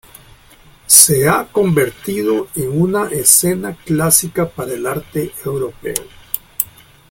Se ha convertido en una escena clásica para el arte europeo.